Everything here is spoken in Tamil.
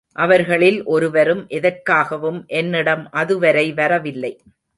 அவர்களில் ஒருவரும் எதற்காகவும் என்னிடம் அதுவரை வரவில்லை.